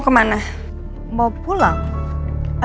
mama harus balik lagi